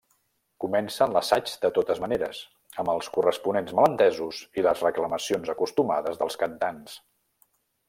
Comencen l'assaig de totes maneres, amb els corresponents malentesos i les reclamacions acostumades dels cantants.